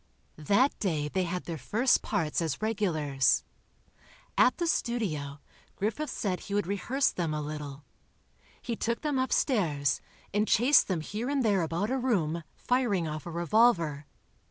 That day they had their first parts as regulars. At the studio, Griffith said he would rehearse them a little. He took them upstairs, and chased them here and there about a room, firing off a revolver.